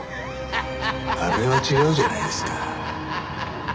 あれは違うじゃないですか。